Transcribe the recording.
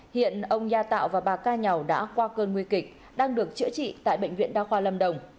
hiện ông nha tạo và bà ca nhau đã qua cơn nguy kịch đang được chữa trị tại bệnh viện đa khoa lâm đồng